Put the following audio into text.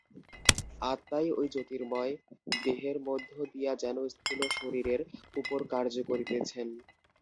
আত্মাই ঐ জ্যোতির্ময় দেহের মধ্য দিয়া যেন স্থূল শরীরের উপর কার্য করিতেছেন।